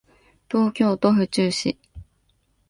東京都府中市